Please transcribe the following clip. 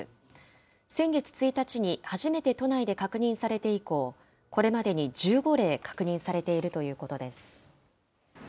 先月１日に初めて都内で確認されて以降、これまでに１５例確認されているということです。